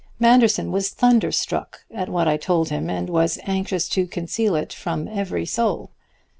Manderson was thunderstruck at what I told him, and was anxious to conceal it from every soul.